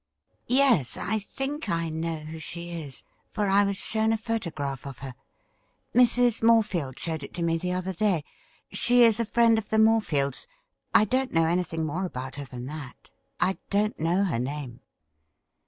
' Yes ; I think I know who she is, for I was shown a photograph of her. Mrs. Morefield showed it to me the other day. She is a friend of the Morefields — I don't know anything more about her than that. I don't know her name.'